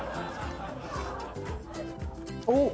おっ！